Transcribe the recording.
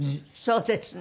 そうですね。